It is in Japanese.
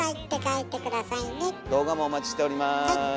動画もお待ちしております。